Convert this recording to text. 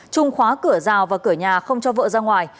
trung khóa cửa rào và cửa nhà không cho vợ ra ngoài